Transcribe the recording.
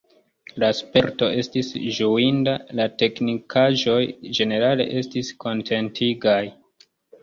La sperto estis ĝuinda, la teknikaĵoj ĝenerale estis kontentigaj.